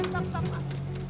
pak pak pak